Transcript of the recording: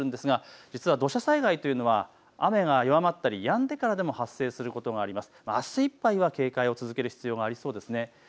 雨は弱まってくるんですが実は土砂災害というのは雨が弱まったりやんでからでも発生することがあります。